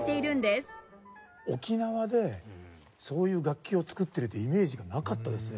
沖縄でそういう楽器を作っているというイメージがなかったですね